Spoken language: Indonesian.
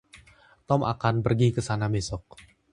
Tom akan pergi ke sana besok.